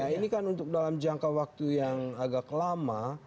nah ini kan untuk dalam jangka waktu yang agak lama